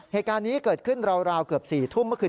เหตุการณ์นี้เกิดขึ้นราวเกือบ๔ทุ่มเมื่อคืน